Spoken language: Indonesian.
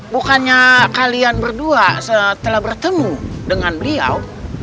bukannya kalian berdua setelah bertemu dengan beliau